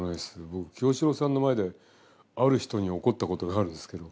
僕清志郎さんの前である人に怒ったことがあるんですけど。